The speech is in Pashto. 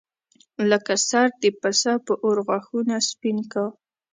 لکه سر د پسه په اور غاښونه سپین کا.